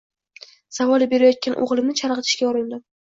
Savol berayotgan o`g`limni chalg`itishga urindim